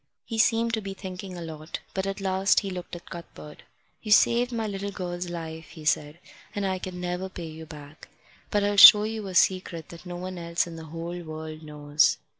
He seemed to be thinking a lot, but at last he looked at Cuthbert. "You've saved my little girl's life," he said, "and I can never pay you back. But I'll show you a secret that no one else in the whole world knows."